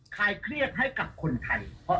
คลายเครียดให้กับคนไทย